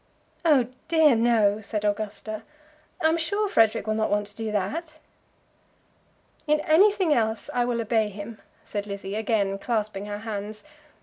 "Oh dear, no," said Augusta. "I am sure Frederic will not want to do that." "In anything else I will obey him," said Lizzie, again clasping her hands.